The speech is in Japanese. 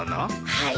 はい。